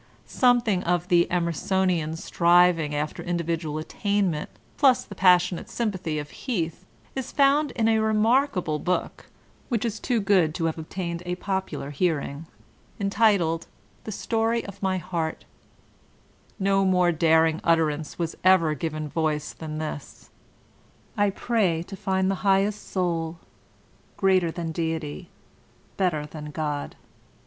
Something of the Emersonian striving after individual attainment plus the passionate sympathy of Heath is found in a remarkable book, which is too good to have obtained a popular hearing, entitled "The Story of My Heart" No more daring utterance was ever given voice than this: "I pray to find the Highest Soul, — greater than deity, better than God."